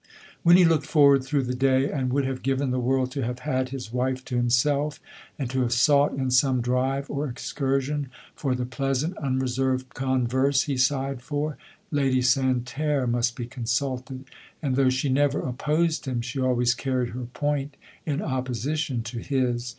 When he looked forward through the day, and would have given the world to have had his wife to himself, and to have sought, in some drive or excursion, for the pleasant unreserved converse he sighed for, Lady Santerre must be consulted ; and though she never opposed him, she always carried her point in opposition to his.